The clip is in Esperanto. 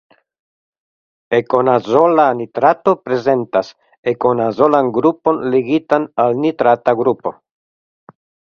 Ekonazola nitrato prezentas ekonazolan grupon ligitan al nitrata grupo.